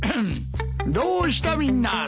どうしたみんな。